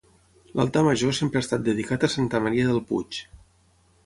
L'altar major sempre ha estat dedicat a Santa Maria del Puig.